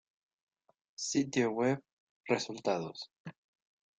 Sitio web resultados